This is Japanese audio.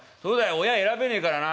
親選べねえからな。